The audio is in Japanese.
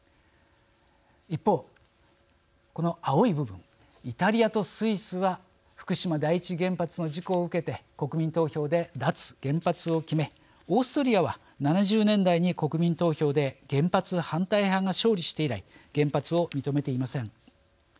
一方この青い部分イタリアとスイスは福島第一原発の事故を受けて国民投票で脱原発を決めオーストリアは７０年代に国民投票で原発反対派が勝利して以来原発を認めていません。